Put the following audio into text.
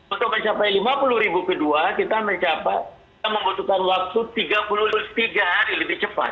untuk mencapai lima puluh ribu kedua kita mencapai kita membutuhkan waktu tiga puluh tiga hari lebih cepat